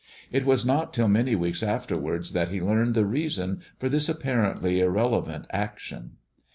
It Was not till many weeks afterwards that he learned the reaaott for this apparently irrelevant action.